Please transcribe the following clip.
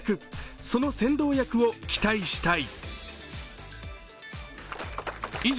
その先導役を期待したい。